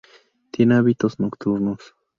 Tiene hábitos nocturnos.